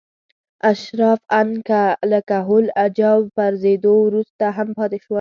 اشراف ان له کهول اجاو پرځېدو وروسته هم پاتې شول.